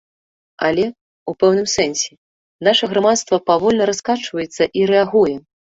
Але, у пэўным сэнсе, наша грамадства павольна раскачваецца і рэагуе.